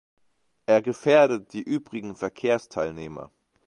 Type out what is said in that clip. Er gefährdet die übrigen Verkehrsteilnehmer.